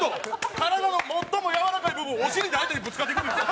体の最もやわらかい部分お尻で相手にぶつかっていくんですよ。